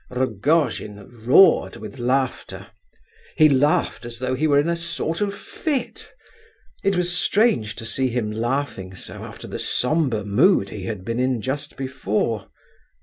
Rogojin roared with laughter. He laughed as though he were in a sort of fit. It was strange to see him laughing so after the sombre mood he had been in just before.